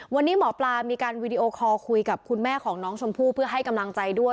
วันนี้หมอปลามีการวีดีโอคอลคุยกับคุณแม่ของน้องชมพู่เพื่อให้กำลังใจด้วย